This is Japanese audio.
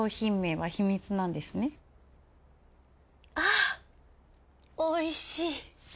あおいしい。